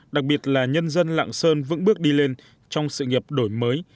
đặc biệt là nhân dân lạng sơn vững bước đi lên trong sự nghiệp đổi mới